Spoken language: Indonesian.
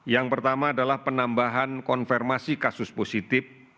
yang pertama adalah penambahan konfirmasi kasus positif